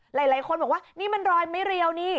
หลายคนบอกว่านี่มันรอยไม่เรียวนี่